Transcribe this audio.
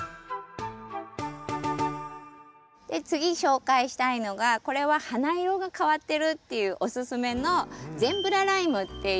次紹介したいのがこれは花色が変わってるっていうおすすめのゼンブラライムっていう品種になります。